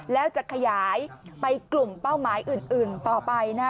แล้วจะขยายไปกลุ่มเป้าหมายอื่นต่อไปนะฮะ